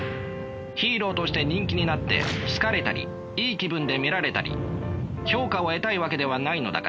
ヒーローとして人気になって好かれたりいい気分で見られたり評価を得たいわけではないのだから。